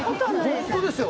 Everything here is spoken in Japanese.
本当ですよ。